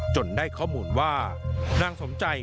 ได้ข้อมูลว่านางสมใจ